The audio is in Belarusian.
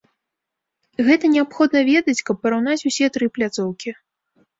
Гэта неабходна ведаць, каб параўнаць усе тры пляцоўкі.